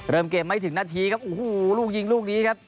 เริ่มเกมไม่ถึงนาทีครับโอ้โหลูกยิงลูกนี้ครับ